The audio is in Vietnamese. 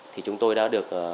thì chúng tôi đã được